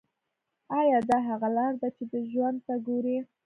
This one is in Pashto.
ایا دا هغه لاره ده چې ته ژوند ته ګورې